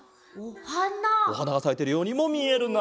おはながさいてるようにもみえるな。